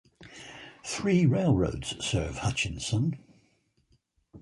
Three railroads serve Hutchinson.